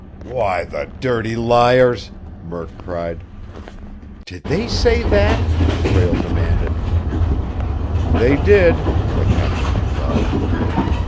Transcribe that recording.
"Why, the dirty liars!" Murk cried. "Did they say that?" Prale demanded. "They did," the captain replied.